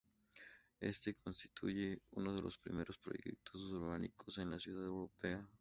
Este constituye uno de los primeros proyectos urbanísticos en una ciudad europea.